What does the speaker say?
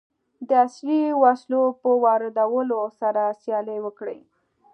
د عصري وسلو په واردولو سره سیالي وکړي.